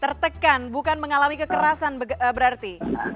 tertekan bukan mengalami kekerasan berarti